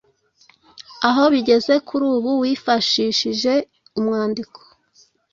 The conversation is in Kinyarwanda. aho bigeze kuri ubu wifashishije umwandiko.